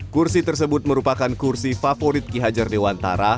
kursi tersebut merupakan kursi favorit ki hajar dewantara